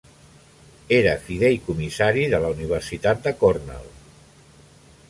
Era fideïcomissari de la Universitat de Cornell.